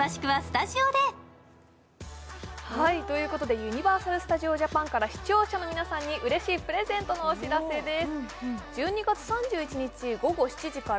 ユニバーサル・スタジオ・ジャパンから視聴者の皆さんにうれしいプレゼントのお知らせです。